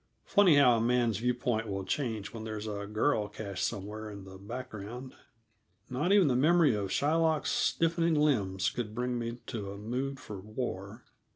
Funny how a man's view point will change when there's a girl cached somewhere in the background. Not even the memory of Shylock's stiffening limbs could bring me to a mood for war.